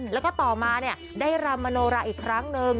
แล้วก็ต่อมาได้รำมโนราอีกครั้งหนึ่ง